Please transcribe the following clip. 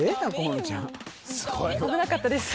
すごい危なかったです